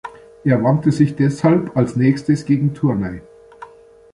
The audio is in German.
Er wandte sich deshalb als Nächstes gegen Tournai.